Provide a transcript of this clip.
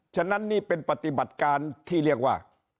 ฉะนั้นนี่เป็นปฏิบัติการที่เรียกว่า